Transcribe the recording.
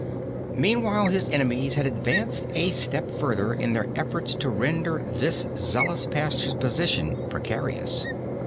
Meanwhile his enemies had advanced a step further in their efforts to render this zealous pastor's position precarious.